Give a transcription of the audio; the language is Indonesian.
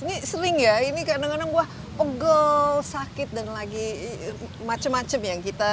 ini sering ya ini kadang kadang gua ogel sakit dan lagi macem macem ya yang kita